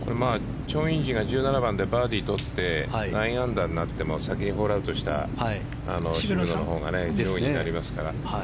チョン・インジが１７番でバーディーを取って９アンダーになっても先にホールアウトした渋野のほうが上位になりますから。